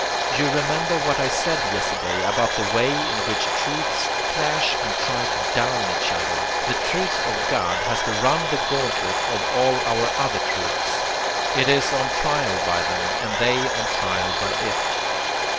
You remember what I said yesterday about the way in which truths clash and try to 'down' each other. The truth of 'God' has to run the gauntlet of all our other truths. It is on trial by them and they on trial by it.